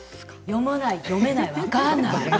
読まない読めない分からない。